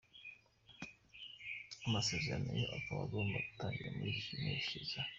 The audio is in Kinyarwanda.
Amasezerano ye akaba agomba gutangira muri iyi mpeshyi iza.